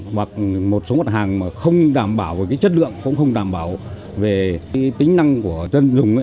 hoặc một số mặt hàng mà không đảm bảo về cái chất lượng cũng không đảm bảo về cái tính năng của dân dùng